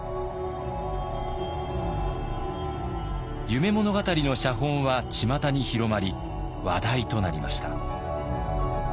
「夢物語」の写本はちまたに広まり話題となりました。